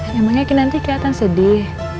emangnya kinanti keliatan sedih